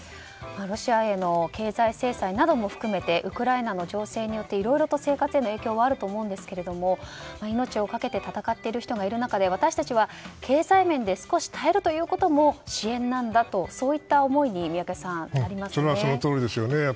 ロシアへの経済制裁なども含めてウクライナの情勢によっていろいろと生活への影響はあると思うんですが命をかけて戦っている人がいる中で私たちは経済面で少し耐えるということも支援なんだと、そういった思いにそのとおりですね。